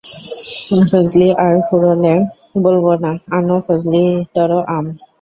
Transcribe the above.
ফজলি আম ফুরোলে বলব না, আনো ফজলিতর আম।